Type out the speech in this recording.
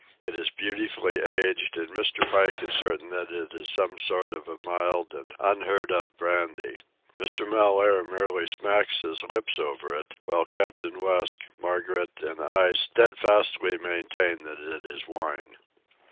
It is beautifully aged, and Mr. Pike is certain that it is some sort of a mild and unheard of brandy. Mr. Mellaire merely smacks his lips over it, while Captain West, Margaret, and I steadfastly maintain that it is wine.